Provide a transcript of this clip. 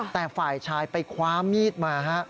แต่ฝ่ายชายไปคว้ามีดมาฮะ